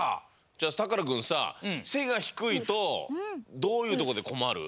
じゃあたからくんさせがひくいとどういうとこでこまる？